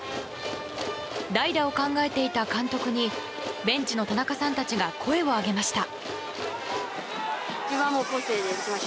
代打を考えていた監督にベンチの田中さんたちが声を上げました。